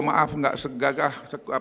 maaf enggak segagah